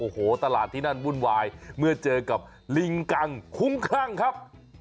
โอ้โหตลาดที่นั่นวุ่นวายเมื่อเจอกับลิงกังคุ้มคลั่งครับ